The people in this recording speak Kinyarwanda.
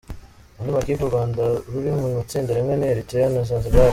Andi makipe u Rwanda ruri mu itsinda rimwe ni Eritrea na Zanzibar .